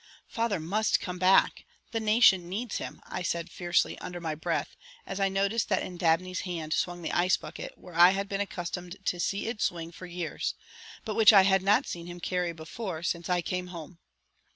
"Father must come back; the nation needs him," I said fiercely under my breath as I noticed that in Dabney's hand swung the ice bucket where I had been accustomed to see it swing for years, but which I had not seen him carry before since I came home.